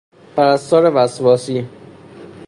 پرستار وسواسی